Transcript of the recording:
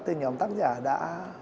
thì nhóm tác giả đã